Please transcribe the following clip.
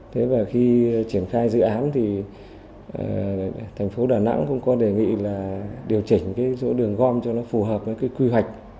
thế và khi triển khai dự án thì thành phố đà nẵng cũng có đề nghị là điều chỉnh cái chỗ đường gom cho nó phù hợp với cái quy hoạch